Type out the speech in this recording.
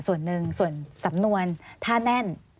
ส่วนหนึ่งส่วนสำนวนถ้าแน่น